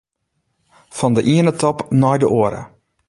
Fan de iene top nei de oare.